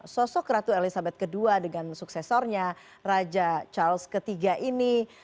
sosok ratu elizabeth ii dengan suksesornya raja charles iii ini